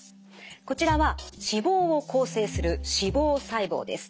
こちらは脂肪を構成する脂肪細胞です。